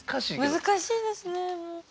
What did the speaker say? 難しいですねもう。